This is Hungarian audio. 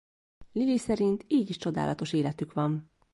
Lily szerint így is csodálatos életük van.